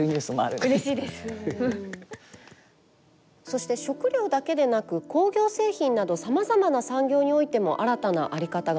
そして食料だけでなく工業製品などさまざまな産業においても新たな在り方が求められています。